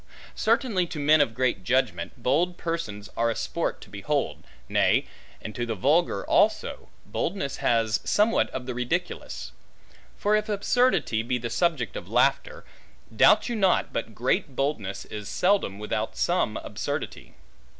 Certainly to men of great judgment, bold persons are a sport to behold; nay, and to the vulgar also, boldness has somewhat of the ridiculous. For if absurdity be the subject of laughter, doubt you not but great boldness is seldom without some absurdity.